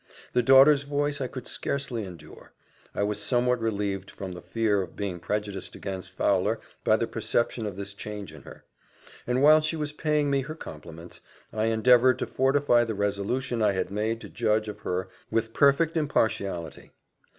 The daughter's voice I could scarcely endure. I was somewhat relieved from the fear of being prejudiced against Fowler by the perception of this change in her; and while she was paying me her compliments, I endeavoured to fortify the resolution I had made to judge of her with perfect impartiality.